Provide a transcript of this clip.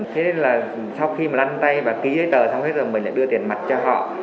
thế nên là sau khi mà lăn tay và ký giấy tờ xong hết rồi mình lại đưa tiền mặt cho họ